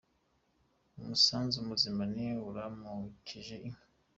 Umusanzu muzima ni uramukije inka.